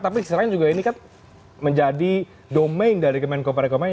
tapi selain juga ini kan menjadi domain dari kemen koperek kemen